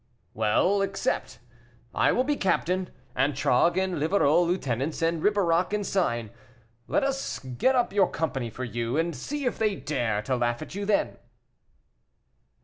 "Well, accept; I will be captain; Antragues and Livarot lieutenants; and Ribeirac ensign. Let us get up your company for you, and see if they dare to laugh at you then."